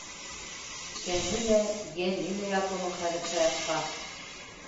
Тәне лә, йәне лә ят уның хәҙер Саяфҡа.